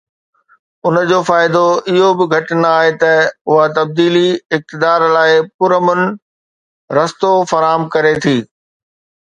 ان جو فائدو اهو به گهٽ ناهي ته اها تبديلي اقتدار لاءِ پرامن رستو فراهم ڪري ٿي.